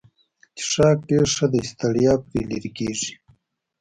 څښاک ډېر ښه دی ستړیا پرې لیرې کیږي.